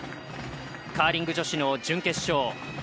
カーリング女子の準決勝。